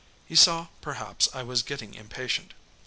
He saw, perhaps, I was getting impatient.